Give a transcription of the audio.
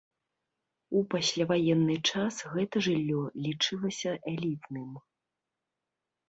У пасляваенны час гэта жыллё лічылася элітным.